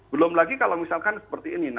belum lagi kalau misalkan seperti ini